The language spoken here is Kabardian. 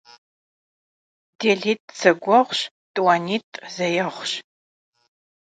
Dêlit' zegueğuş, t'uanit' zeêğuş.